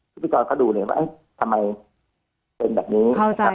พี่ประจองเขาดูทำไมเป็นแบบนี้